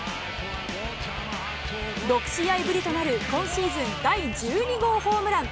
６試合ぶりとなる今シーズン第１２号ホームラン。